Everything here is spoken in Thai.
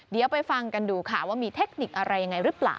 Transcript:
เดี๋ยวไปฟังกันดูค่ะว่ามีเทคนิคอะไรยังไงหรือเปล่า